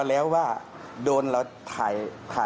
แล้วก็เรียกเพื่อนมาอีก๓ลำ